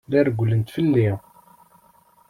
La rewwlent fell-i.